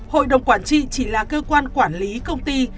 hội đồng quản trị chỉ là cơ quan quản lý công ty